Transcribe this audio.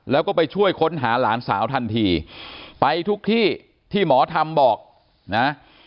แล้วก็ไปช่วยค้นหาหลานสาวทันทีไปทุกที่ที่หมอทำบอกนะ